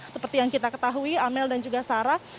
seperti yang kita ketahui amel dan juga sarah